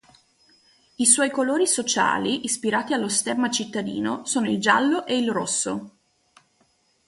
I suoi colori sociali, ispirati allo stemma cittadino, sono il giallo e il rosso.